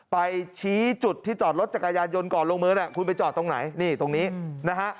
ไปชี้จุดที่จอดรถจักรยานยนต์ก่อนลงมือน่ะคุณไปจอดตรงไหนนี่ตรงนี้นะฮะ